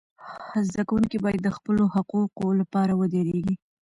زده کوونکي باید د خپلو حقوقو لپاره ودریږي.